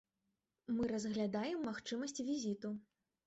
Мы разглядаем магчымасць візіту.